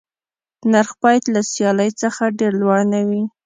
نرخ باید له سیالۍ څخه ډېر لوړ نه وي.